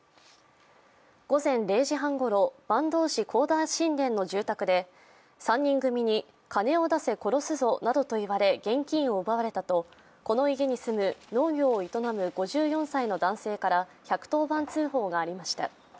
午前０時半ごろ、坂東市幸田新田の住宅で３人組に金を出せ殺すぞなどと言われ現金を奪われたとこの家に住む、農業を営む５４歳の男性から１１０番通報がありました。